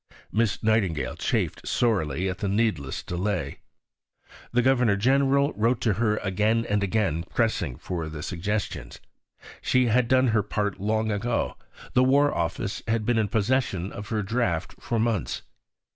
Miss Nightingale chafed sorely at the needless delay. The Governor General wrote to her again and again pressing for the Suggestions. She had done her part long ago; the War Office had been in possession of her Draft for months.